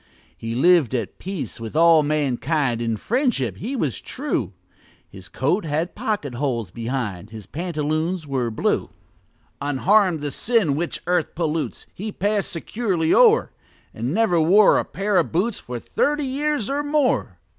He lived at peace with all mankind, In friendship he was true; His coat had pocket holes behind, His pantaloons were blue. Unharm'd, the sin which earth pollutes He pass'd securely o'er, And never wore a pair of boots For thirty years or more.